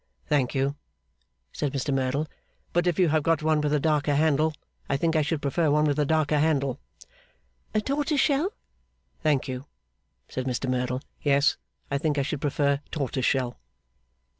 'Thank you,' said Mr Merdle; 'but if you have got one with a darker handle, I think I should prefer one with a darker handle.' 'Tortoise shell?' 'Thank you,' said Mr Merdle; 'yes. I think I should prefer tortoise shell.